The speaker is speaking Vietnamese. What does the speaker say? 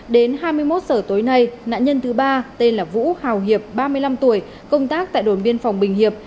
đến hai mươi một giờ tối nay nạn nhân thứ ba tên là vũ hào hiệp ba mươi năm tuổi công tác tại đồn biên phòng bình hiệp